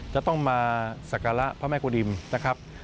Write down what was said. จะต้องมาสักการะพระแม่กุฎิมนะครับ